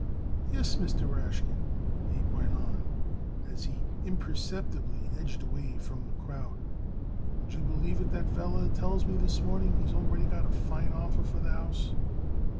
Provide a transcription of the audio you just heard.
"Yes, Mr. Rashkin," Abe went on, as he imperceptibly edged away from the crowd. "Would you believe it, that feller tells me this morning he's got already a fine offer for the house?"